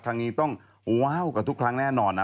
ครั้งนี้ต้องว้าวกับทุกครั้งแน่นอนนะ